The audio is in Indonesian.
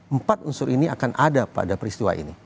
empat unsur ini akan ada pada peristiwa ini